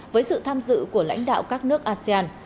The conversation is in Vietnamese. với sự tham dự của lãnh đạo các nước asean